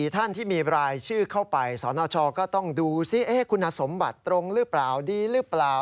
ท่านที่มีรายชื่อเข้าไปสนชก็ต้องดูซิคุณสมบัติตรงหรือเปล่าดีหรือเปล่า